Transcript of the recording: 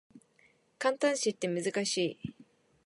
感嘆詞って難しい